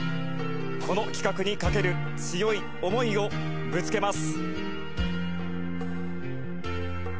この企画にかける強い思いをぶつけます。